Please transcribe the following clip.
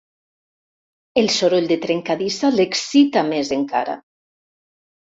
El soroll de trencadissa l'excita més encara.